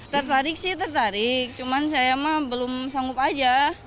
tertarik sih tertarik cuman saya mah belum sanggup aja